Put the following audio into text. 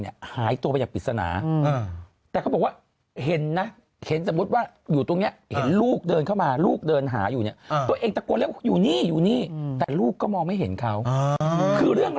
อย่าไปเรียกว่าลุงเลยอายุเขาฝึง๔๙